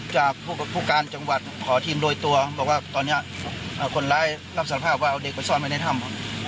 จากผู้การจังหวัดขอทีมโดยตัวบอกว่าตอนนี้คนร้ายรับสารภาพว่าเอาเด็กไปซ่อนไว้ในถ้ำ